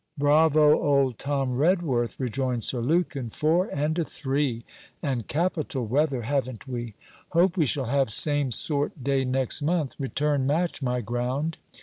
'Bravo, old Tom Redworth'; rejoined Sir Lukin. 'Four, and a three! And capital weather, haven't we: Hope we shall have same sort day next month return match, my ground.